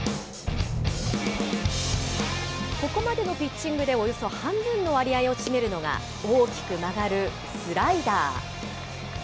ここまでのピッチングでおよそ半分の割合を占めるのが、大きく曲がるスライダー。